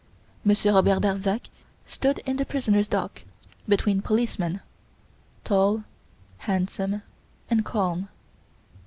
Monsieur Robert Darzac stood in the prisoner's dock between policemen, tall, handsome, and calm.